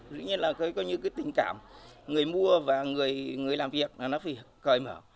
tự nhiên là cái tình cảm người mua và người làm việc là nó phải cởi mở